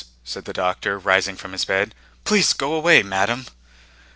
said the doctor, rising from his bed. "Please go away, madam!"